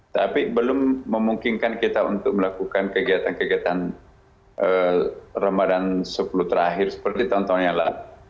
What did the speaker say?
tapi belum memungkinkan kita untuk melakukan kegiatan kegiatan ramadan sepuluh terakhir seperti tahun tahun yang lalu